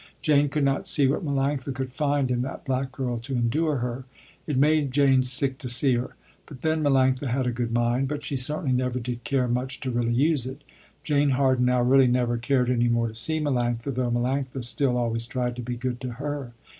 Jane could not see what Melanctha could find in that black girl, to endure her. It made Jane sick to see her. But then Melanctha had a good mind, but she certainly never did care much to really use it. Jane Harden now really never cared any more to see Melanctha, though Melanctha still always tried to be good to her.